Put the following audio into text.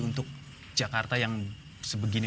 untuk jakarta yang sebegini